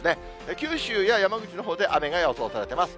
九州や山口のほうで、雨が予想されてます。